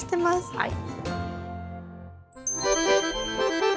はい。